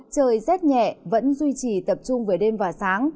trời rất nhẹ vẫn duy trì tập trung với đêm và sáng